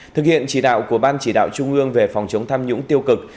thực hiện chỉ đạo của ban chỉ đạo trung ương về phòng chống tham nhũng tiêu cực